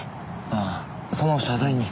ああその謝罪に？